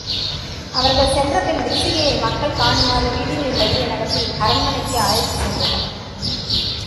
அவர்கள் சென்றபின் விரிசிகையை, மக்கள் காணுமாறு வீதிகளின் வழியே நடத்தி அரண்மனைக்கு அழைத்துச் சென்றனர்.